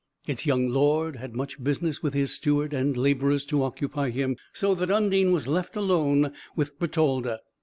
Its young lord had much business with his steward and labourers to occupy him, so that Undine was left alone with Bertalda.